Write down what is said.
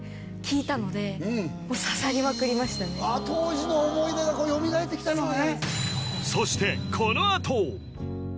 当時の思い出がよみがえってきたのね